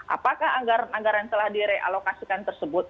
apakah anggaran anggaran telah direalokasikan tersebut